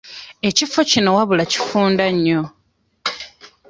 Ekifo kino wabula kifunda nnyo.